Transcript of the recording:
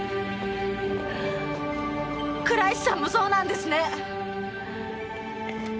倉石さんもそうなんですね？